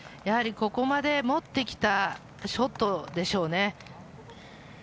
ここまで持ってきたショットでしょうね。